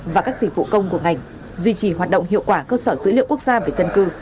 và các dịch vụ công của ngành duy trì hoạt động hiệu quả cơ sở dữ liệu quốc gia về dân cư